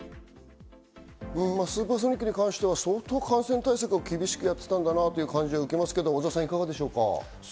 スーパーソニックに関しては相当、感染対策を厳しくやっていたんだなという印象を受けますがいかがですか？